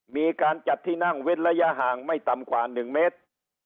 มีการจัดที่นั่งเว้นระยะห่างไม่ต่ำกว่า๑เมตร